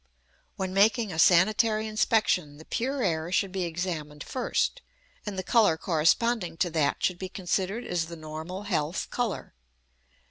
When making a sanitary inspection, the pure air should be examined first, and the colour corresponding to that should be considered as the normal health colour.